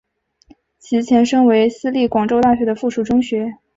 其前身为私立广州大学的附属中学。